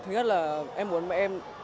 thứ nhất là em muốn em